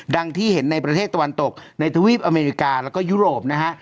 ที่เห็นในประเทศตะวันตกในทวีปอเมริกาแล้วก็ยุโรปนะฮะ